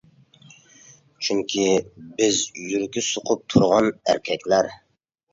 چۈنكى بىز يۈرىكى سوقۇپ تۇرغان ئەركەكلەر!